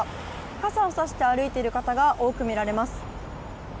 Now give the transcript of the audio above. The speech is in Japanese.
傘をさして歩いている方が多く見られます。